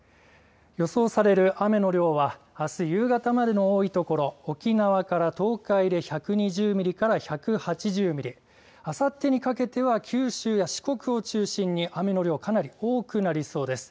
予想される雨の量はあす夕方までの多い所、沖縄から東海で１２０ミリから１８０ミリ、あさってにかけては九州や四国を中心に雨の量、かなり多くなりそうです。